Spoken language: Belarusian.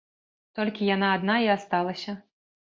Толькі яна адна і асталася.